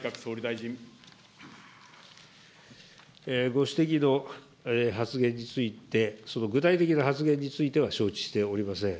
ご指摘の発言について、具体的な発言については承知しておりません。